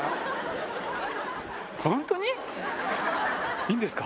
いいんですか？